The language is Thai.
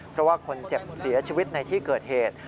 เพราะว่าคนเจ็บเสียชีวิตในที่เกิดเหตุ